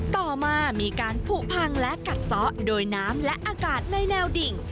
ต่อมามีการผูกพังและกัดซ้อโดยน้ำและอากาศในแนวดิ่ง